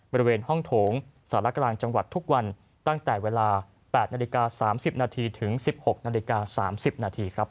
บริเวณห้องโถงสารกลางจังหวัดทุกวันตั้งแต่เวลา๘๓๐นถึง๑๖๓๐น